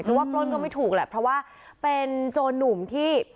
ว่าปล้นก็ไม่ถูกแหละเพราะว่าเป็นโจรหนุ่มที่